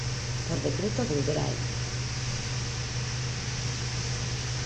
Por decreto del Gral.